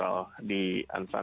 jalan multikultur di ansan